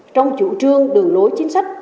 trong chủ trương đường lối chính sách